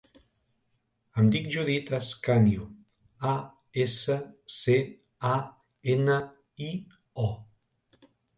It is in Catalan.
Em dic Judith Ascanio: a, essa, ce, a, ena, i, o.